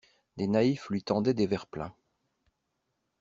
Des naïfs lui tendaient des verres pleins.